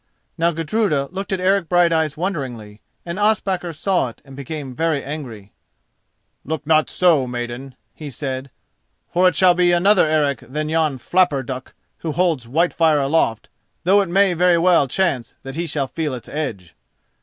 Now Gudruda looked at Eric Brighteyes wonderingly, and Ospakar saw it and became very angry. "Look not so, maiden," he said, "for it shall be another Eric than yon flapper duck who holds Whitefire aloft, though it may very well chance that he shall feel its edge."